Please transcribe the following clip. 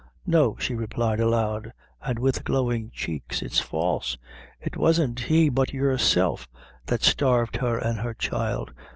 "No," she replied aloud, and with glowing cheeks; "it's false it wasn't he but yourself that starved her and her child.